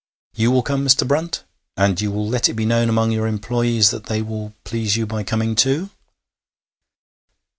You will come, Mr. Brunt, and you will let it be known among your employés that they will please you by coming too?'